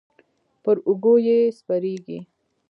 پر اوږو یې سپرېږي.